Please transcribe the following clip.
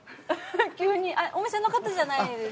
急にお店の方じゃないです？